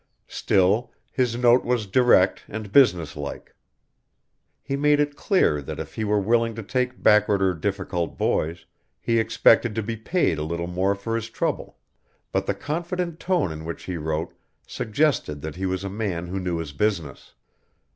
Still, his note was direct and business like. He made it clear that if he were willing to take backward or difficult boys he expected to be paid a little more for his trouble, but the confident tone in which he wrote suggested that he was a man who knew his business.